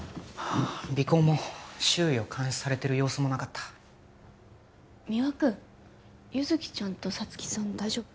尾行も周囲を監視されてる様子もなかった三輪君優月ちゃんと沙月さん大丈夫？